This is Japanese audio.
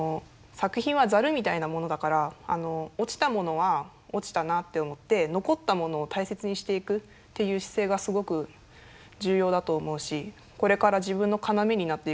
落ちたものは落ちたなって思って残ったものを大切にしていくっていう姿勢がすごく重要だと思うしこれから自分の要になっていくと思う。